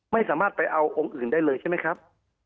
ไม่สามารถไปเอาองค์อื่นได้เลยใช่ไหมครับ